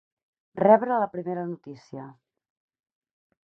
Rebre la primera notícia.